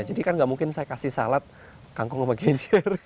jadi kan gak mungkin saya kasih salad kangkung sama genjer